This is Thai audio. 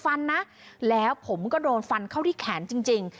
ไม่งั้นเดี่ยวกูจะฟันนะแล้วผมก็โดนฟันเข้าที่แขนจริง